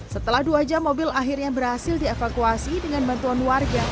setelah dua jam mobil akhirnya berhasil dievakuasi dengan bantuan warga